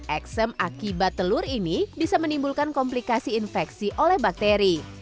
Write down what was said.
eksem akibat telur ini bisa menimbulkan komplikasi infeksi oleh bakteri